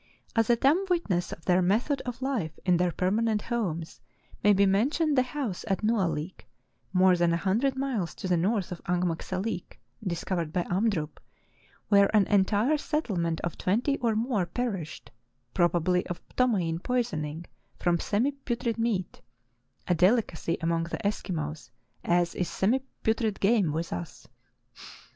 As a dumb witness of their method of life in their permanent homes may be mentioned the house at Nualik, more than a hundred miles to the north of Angmagsahk (discovered by Amdrup), where an entire settlement of twenty or more perished, probably of ptomaine poisoning from semi putrid meat (a dehcacy among the Eskimos as is semi putrid game with us).